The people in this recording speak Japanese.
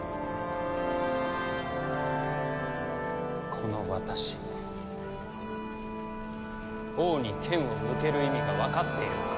この私に王に剣を向ける意味がわかっているのか？